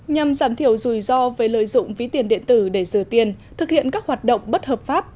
nhằm giảm thiểu rủi ro về lợi dụng ví tiền điện tử để rửa tiền thực hiện các hoạt động bất hợp pháp